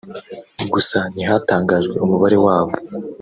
gusa ntihatangajwe umubare wabo